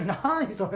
それ。